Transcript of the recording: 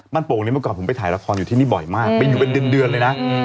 โป่งนี้เมื่อก่อนผมไปถ่ายละครอยู่ที่นี่บ่อยมากไปอยู่เป็นเดือนเลยนะ